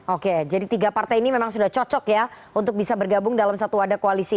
oke jadi tiga partai ini memang sudah cocok ya untuk bisa bergabung dalam satu wadah koalisi